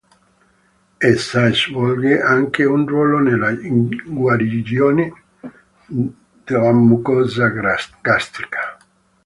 Essa svolge anche un ruolo nella guarigione della mucosa gastrica.